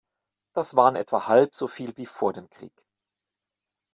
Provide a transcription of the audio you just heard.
Das waren etwa halb so viel wie vor dem Krieg.